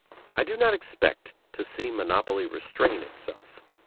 I do not expect to see monopoly restrain itself.